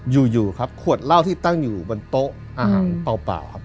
อยู่ครับขวดเหล้าที่ตั้งอยู่บนโต๊ะอาหารเปล่าครับ